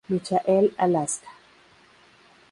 Michael, Alaska.